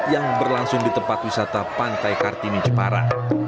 yang berlangsung di tempat wisata pantai kartini jepara